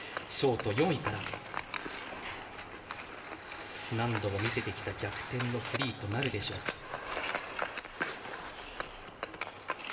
ショート４位から何度も見せてきた逆転のフリーとなるでしょうか。